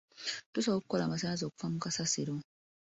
Tusobola okukola amasannyalaze okuva mu kasasiro.